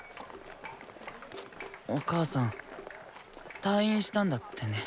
お母さん退院したんだってね。